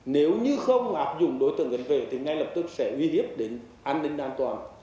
nếu như không áp dụng đối tượng gần về thì ngay lập tức sẽ uy hiếp đến an ninh an toàn